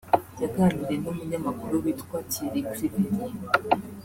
yaganiriye n’umunyamakuru witwa Thierry Cruvellier